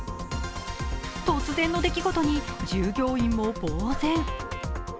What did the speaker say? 突然の出来事に従業員もぼう然。